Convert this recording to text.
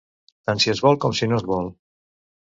Tant si es vol com si no es vol.